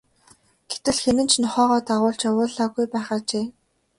Гэтэл хэн нь ч нохойгоо дагуулж явуулаагүй байх ажээ.